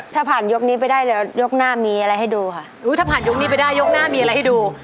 ถ้าผ่านยกนี้ไปได้แล้วยกหน้ามีอะไรให้ดูค่ะอุ้ยถ้าผ่านยกนี้ไปได้ยกหน้ามีอะไรให้ดู